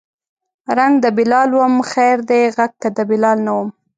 رنګ د بلال وم خیر دی غږ که د بلال نه وم